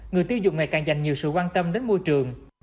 người tiêu dùng ngày càng dành nhiều sự quan tâm đến môi trường